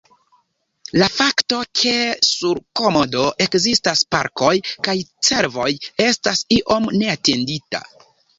La fakto ke sur Komodo ekzistas porkoj kaj cervoj estas iom neatendita.